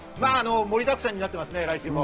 盛りだくさんになっております、来週も。